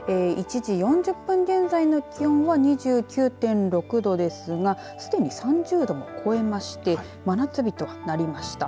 １時４０分現在の気温は２９．６度ですがすでに３０度も超えまして真夏日となりました。